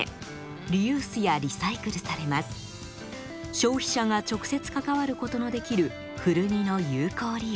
消費者が直接関わることのできる古着の有効利用。